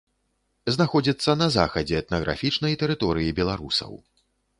Знаходзіцца на захадзе этнаграфічнай тэрыторыі беларусаў.